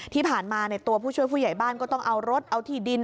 ที่ผ่านมาตัวผู้ช่วยผู้ใหญ่บ้านก็ต้องเอารถเอาที่ดิน